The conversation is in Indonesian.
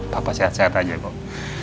papa sehat sehat aja ya pok